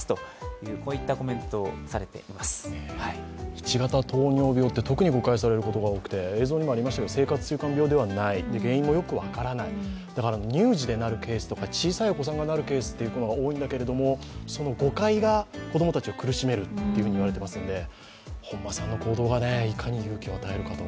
１型糖尿病って特に誤解されることが多くて映像にもありましたけれども、生活習慣病ではない、原因もよく分からない、だから乳児でなるケースとか小さいお子さんでなるケースが多いんだけども、その誤解が子供たちを苦しめると言われていますので、本間さんの行動がいかに勇気を与えるかと。